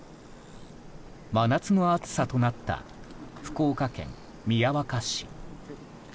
真夏の暑さとなった福岡県宮若市。